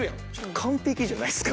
完璧じゃないですか？